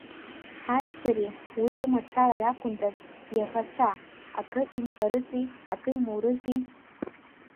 Ҳаи шьыри, урҭ рымацара ракәындаз иаӷацәа, акы имҳәарызи, акы имурызи!